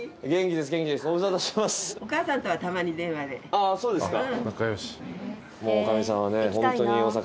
ああそうですか。